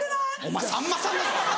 お前さんまさんだぞ！